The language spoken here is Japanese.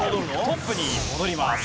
トップに戻ります。